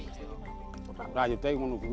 ini yang harus dikonsumsi oleh rakyat